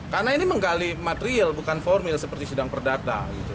karena ini menggali material bukan formil seperti sidang perdata